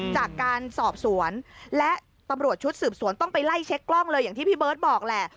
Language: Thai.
จากการสอบสวนและตำรวจชุดสืบสวนต้องไปไล่เช็คกล้องเลยอย่างที่พี่เบิร์ตบอกแหละ